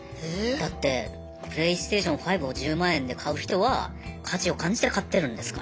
だってプレイステーション５を１０万円で買う人は価値を感じて買ってるんですから。